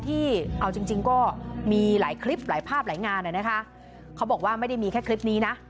ที่เอาจริงจริงก็มีหลายคลิปหลายภาพหลายงานนะคะเขาบอกว่าไม่ได้มีแค่คลิปนี้นะ